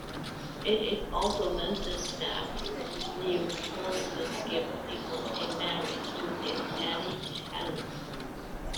It is also mentioned that Neoptolemus gave Deidamia in marriage to his ally Helenus.